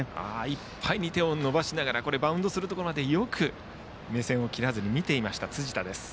いっぱいに手を伸ばしながらバウンドするところまでよく目線を切らずに見ていた辻田。